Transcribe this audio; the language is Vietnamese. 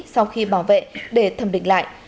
sau khi bảo vệ để thẩm định lại